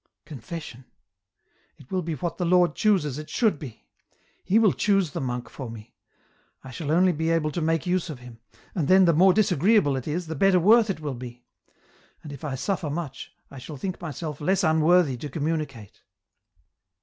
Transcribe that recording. " Confession ? It will be what the Lord chooses it should be. He will choose the monk for me ; I shall only be able to make use of him ; and then the more disagreeable it is, the better worth it will be ; and if I suffer much, I shall think myself less unworthy to communicate.